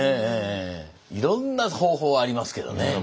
いろんな方法ありますけどね。